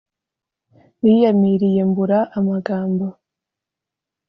Niyamiriye mbura amagambo